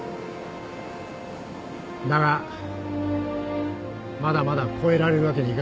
だがまだまだ超えられるわけにはいかない。